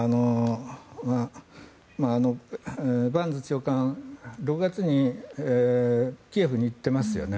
バーンズ長官６月にキーウに行ってますよね。